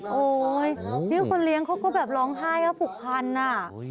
โอ้โหนี่คนเลี้ยงเขาก็แบบร้องไห้เพราะปลูกพันธุ์น่ะ